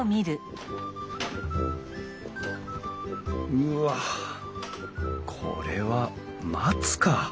うわこれは松か。